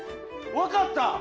分かった！